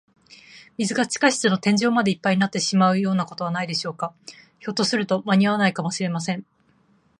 水が地下室の天井までいっぱいになってしまうようなことはないでしょうか。ひょっとすると、まにあわないかもしれません。